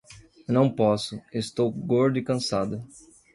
Não posso, estou gordo e cansado